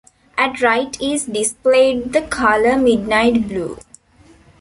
At right is displayed the color midnight blue.